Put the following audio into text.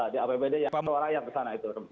di apbd yang suara rakyat kesana itu